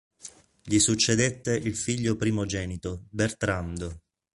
Gli succedette il figlio primogenito, Bertrando.